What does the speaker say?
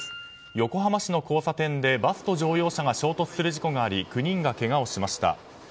横浜市の交差点でバスと乗用車が衝突する事故があり９人がけがをしました。